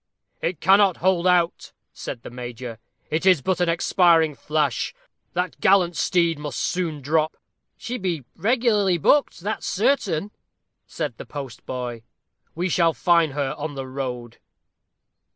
"It cannot hold out," said the major; "it is but an expiring flash; that gallant steed must soon drop." "She be regularly booked, that's certain," said the postboy. "We shall find her on the road."